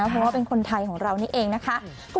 เพราะว่าเป็นคนไทยของเรานี่เองนะคะ